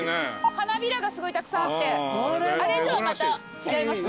花びらがすごいたくさんあってあれとはまた違いますね。